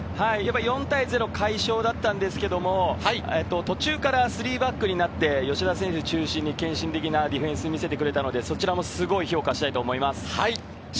４対０で快勝だったんですけれども、途中から３バックになって吉田選手を中心に献身的なディフェンスを見せてくれたので、そちらもすごい評価したいと思います。